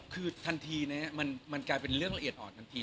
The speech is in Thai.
คือทันทีมันกลายเป็นเรื่องละเอียดอ่อนทันที